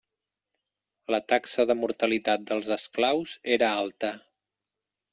La taxa de mortalitat dels esclaus era alta.